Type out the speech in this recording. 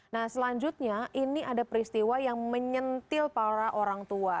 nah selanjutnya ini ada peristiwa yang menyentil para orang tua